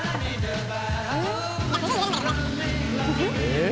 え？